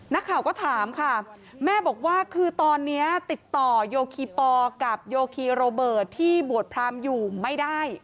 นักข่าวก็ถามค่ะแม่บอกว่าคือตอนนี้ติดต่อโยคีปอลกับโยคีโรเบิร์ตที่บวชพรามอยู่ไม่ได้